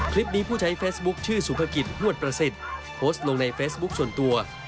ผู้ใช้เฟซบุ๊คชื่อสุภกิจฮวดประสิทธิ์โพสต์ลงในเฟซบุ๊คส่วนตัว